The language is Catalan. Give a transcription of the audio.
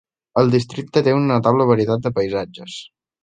El districte té una notable varietat de paisatges.